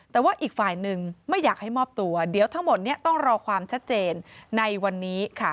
แต่ว่าอีกฝ่ายหนึ่งไม่อยากให้มอบตัวเดี๋ยวทั้งหมดนี้ต้องรอความชัดเจนในวันนี้ค่ะ